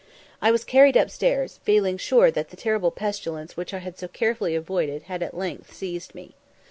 I was carried upstairs, feeling sure that the terrible pestilence which I had so carefully avoided had at length seized me.